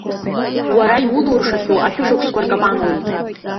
Уара иулуршахьоу ашәышықәсақәа ркапануеит.